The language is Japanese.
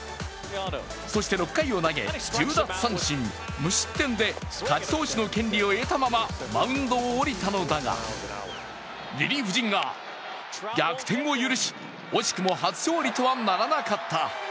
そして６回を投げ、１０奪三振無失点で勝ち投手の権利を得たままマウンドを降りたのだがリリーフ陣が逆転を許し惜しくも初勝利とはならなかった。